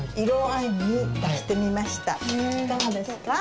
いかがですか？